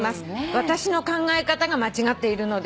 「私の考え方が間違っているのでしょうか？」